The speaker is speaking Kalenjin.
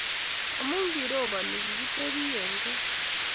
amu kiribani, kigitebi eng goot